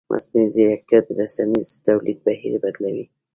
مصنوعي ځیرکتیا د رسنیز تولید بهیر بدلوي.